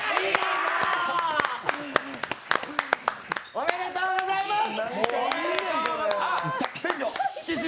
おめでとうございます！